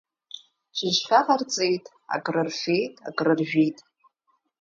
Шьыжьхьа ҟарҵеит, акрырфеит, акрыржәит.